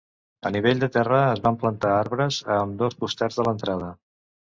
A nivell de terra, es van plantar arbres a ambdós costats de l'entrada.